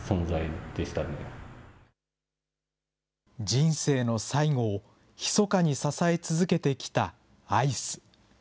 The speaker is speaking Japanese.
人生の最期をひそかに支え続けてきたアイス。